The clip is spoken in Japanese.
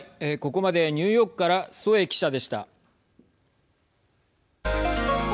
ここまでニューヨークから添記者でした。